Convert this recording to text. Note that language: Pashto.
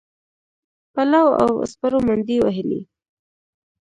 پلو او سپرو منډې وهلې.